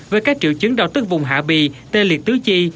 với các triệu chứng đau tức vùng hạ bì tê liệt tứ chi